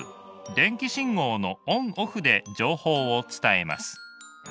電気信号のオンオフで情報を伝えます。